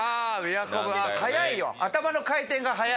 速いよ！